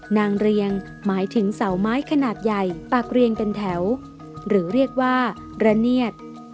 นางเรียงหมายถึงเสาไม้ขนาดใหญ่ปากเรียงเป็นแถวหรือเรียกว่าระเนียด